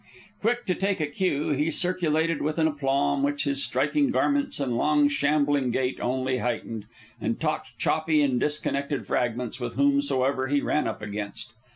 Quick to take a cue, he circulated with an aplomb which his striking garments and long shambling gait only heightened, and talked choppy and disconnected fragments with whomsoever he ran up against.